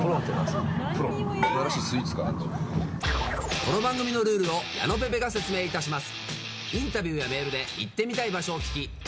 この番組のルールを矢野ぺぺが説明します。